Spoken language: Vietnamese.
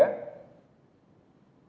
định hướng cho chủ nghĩa